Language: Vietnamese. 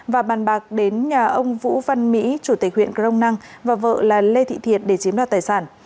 và bàn bạc đến nhà ông vũ văn mỹ chủ tịch huyện crong năng và vợ là lê thị thiệt để chiếm đoạt tài sản